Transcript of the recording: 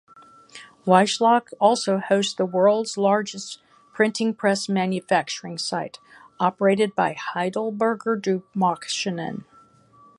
Wiesloch also hosts the world's largest printing press manufacturing site, operated by Heidelberger Druckmaschinen.